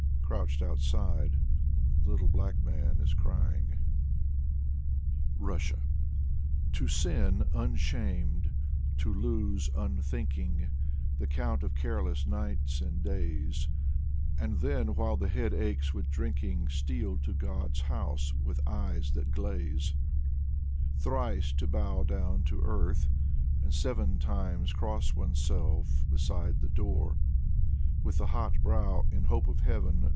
Crouching outside, the little black man is crying. 132 Alexander Blok RUSSIA To sin, unshamed, to lose, unthinking, The count of careless nights and days, And then, while the head aches with drinking, Steal to God's house, with eyes that glaze ; Thrice to bow down to earth, and seven Times cross oneself beside the door. With the hot brow, in hope of heaven.